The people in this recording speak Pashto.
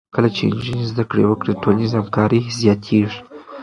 کله چې نجونې زده کړه وکړي، د ټولنیزې همکارۍ حس زیاتېږي.